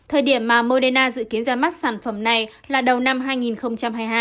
thời điểm mà moderna dự kiến ra mắt sản phẩm này là đầu năm hai nghìn hai mươi hai